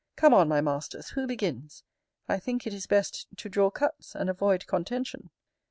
Come on, my masters, who begins? I think it is best to draw cuts, and avoid contention.